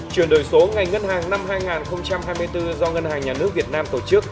chuyển đổi số ngành ngân hàng năm hai nghìn hai mươi bốn do ngân hàng nhà nước việt nam tổ chức